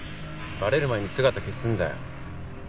バレる前に姿消すんだよ。